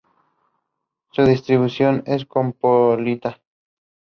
Su distribución es cosmopolita.